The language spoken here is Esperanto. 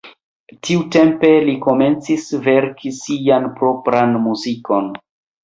Tiutempe li komencis verki sian propran muzikon.